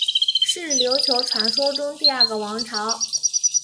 是琉球传说中第二个王朝。